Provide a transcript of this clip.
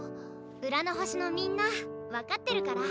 浦の星のみんな分かってるから。